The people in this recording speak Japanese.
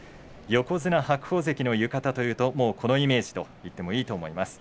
横綱白鵬関の浴衣というともうこのイメージと言ってもいいと思います。